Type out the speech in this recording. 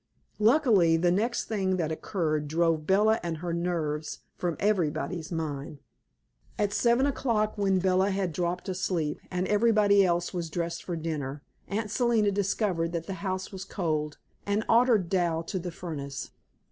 Luckily, the next thing that occurred drove Bella and her nerves from everybody's mind. At seven o'clock, when Bella had dropped asleep and everybody else was dressed for dinner, Aunt Selina discovered that the house was cold, and ordered Dal to the furnace.